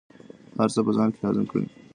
هر څه په ځان کې هضم کړئ.